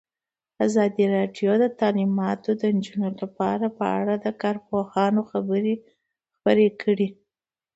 ازادي راډیو د تعلیمات د نجونو لپاره په اړه د کارپوهانو خبرې خپرې کړي.